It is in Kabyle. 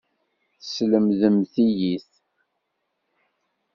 Teslemdemt-iyi-t.